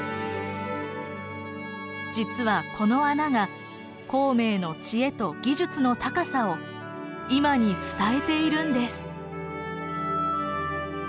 実はこの穴が孔明の知恵と技術の高さを今に伝えているんです。